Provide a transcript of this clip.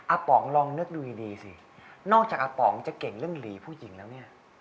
ป๋องลองนึกดูดีสินอกจากอาป๋องจะเก่งเรื่องหลีผู้หญิงแล้วเนี่ย